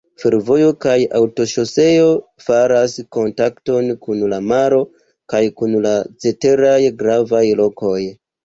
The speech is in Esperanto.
Fervojo kaj aŭtoŝoseo faras kontakton kun la maro kaj kun la ceteraj gravaj lokoj.